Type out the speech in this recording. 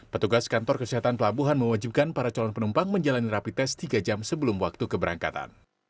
petugas kantor kesehatan pelabuhan mewajibkan para calon penumpang menjalani rapi tes tiga jam sebelum waktu keberangkatan